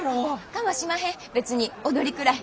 かましまへん別に踊りくらい。